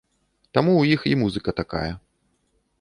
Таму ў іх і музыка такая.